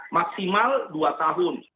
maksimal dua tahun